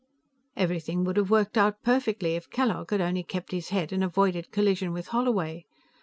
_" Everything would have worked out perfectly if Kellogg had only kept his head and avoided collision with Holloway.